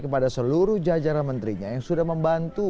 kepada seluruh jajaran menterinya yang sudah membantu